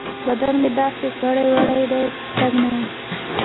بدن مې داسې کاړې واړې دی؛ د تګ نه يم.